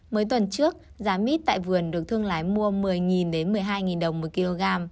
mới tuần trước giá mít tại vườn được thương lái mua một mươi một mươi hai đồng mỗi kg